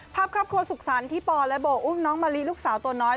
ภาพครอบครัวสุขสรรค์ที่ปอและโบอุ้มน้องมะลิลูกสาวตัวน้อย